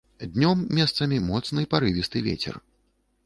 Днём месцамі моцны парывісты вецер.